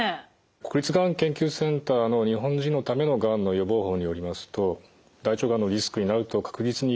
国立がん研究センターの「日本人のためのがん予防法」によりますと大腸がんのリスクになると確実に言えるのがですね